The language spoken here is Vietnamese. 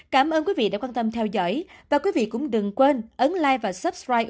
cảm ơn quý vị đã quan tâm theo dõi và quý vị cũng đừng quên ấn like và subscribe